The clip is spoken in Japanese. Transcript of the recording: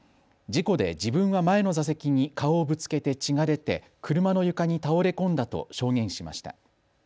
事故で自分は前の座席に顔をぶつけて血が出て車の床に倒れ込んだと証言しました。